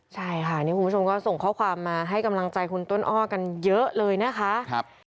ใช่ค่ะนี่คุณผู้ชมก็ส่งข้อความมาให้กำลังใจคุณต้นอ้อกันเยอะเลยนะคะ